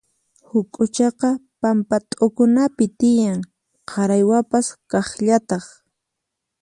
Huk'uchaqa pampa t'uqukunapi tiyan, qaraywapas kaqllataq.